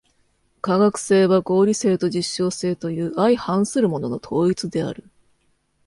科学性は合理性と実証性という相反するものの統一である。